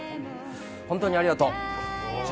本当にありがとう。